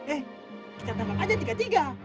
eh kita tembak aja tiga tiga